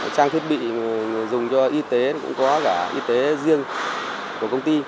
trang thiết bị dùng cho y tế cũng có cả y tế riêng của công ty